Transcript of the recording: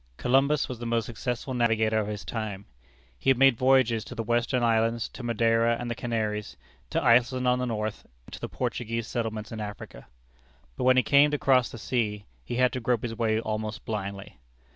Columbus was the most successful navigator of his time. He had made voyages to the Western Islands, to Madeira and the Canaries, to Iceland on the north, and to the Portuguese settlements in Africa. But when he came to cross the sea, he had to grope his way almost blindly.